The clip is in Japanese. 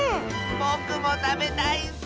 ぼくもたべたいッスよ！